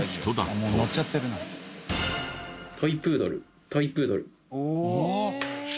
トイプードルトイプードル。